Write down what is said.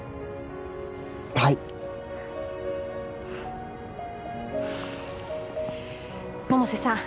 はい百瀬さん